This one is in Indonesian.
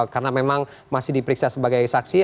karena memang masih diperiksa sebagai saksi